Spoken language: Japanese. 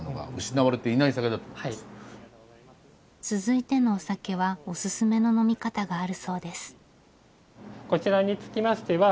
続いてのお酒はオススメの呑み方があるそうです。